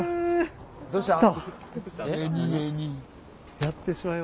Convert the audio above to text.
どうした？